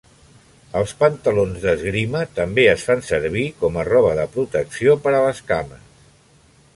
Els pantalons d'esgrima també es fan servir com a roba de protecció per a les cames.